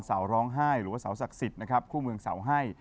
สาวร้องไห้หรือว่าสาวศักดิ์สิทธิ์คู่เมืองสาวไห้